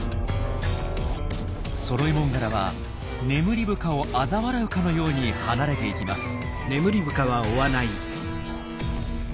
ソロイモンガラはネムリブカをあざ笑うかのように離れていきます。